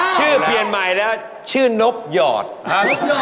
ชื่อเปลี่ยนใหม่แล้วชื่อนบหยอดครับ